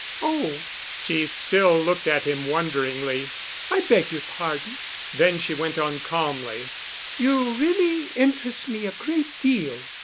"Oh!" She still looked at him wonderingly. "I beg your pardon." Then she went on calmly, "You really interest me a great deal.